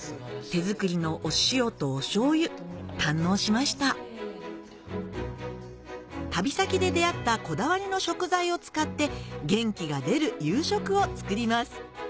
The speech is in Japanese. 手作りのお塩とお醤油堪能しました旅先で出合ったこだわりの食材を使って元気が出る夕食を作ります